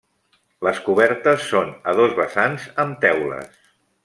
Les cobertes són a dos vessants, amb teules.